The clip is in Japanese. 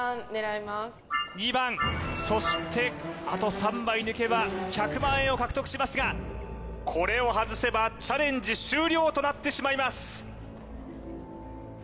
２番そしてあと３枚抜けば１００万円を獲得しますがこれを外せばチャレンジ終了となってしまいます